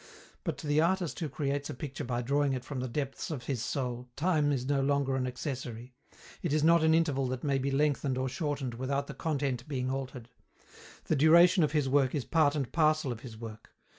But, to the artist who creates a picture by drawing it from the depths of his soul, time is no longer an accessory; it is not an interval that may be lengthened or shortened without the content being altered. The duration of his work is part and parcel of his work.